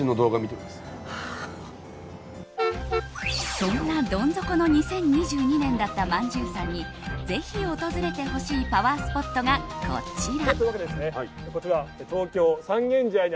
そんなどん底の２０２２年だったまんじゅうさんにぜひ訪れてほしいパワースポットがこちら。